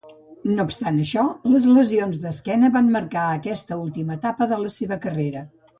No obstant això, les lesions d'esquena van marcar aquesta última etapa de la seva carrera.